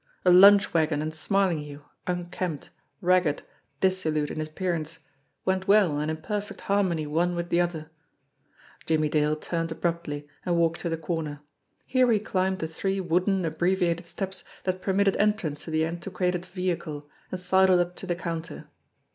A lunch wagon and Smarlinghue, unkempt, ragged, dissolute in appearance, went well and in perfect harmony one with the other ! Jimmie Dale turned abruptly, and walked to the corner. Here he climbed the three wooden, abbreviated steps that permitted entrance to the antiquated vehicle, and sidled up to the counter.